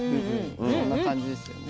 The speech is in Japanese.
そんな感じですよね。